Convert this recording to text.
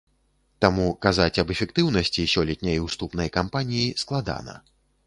Таму казаць аб эфектыўнасці сёлетняй уступнай кампаніі складана.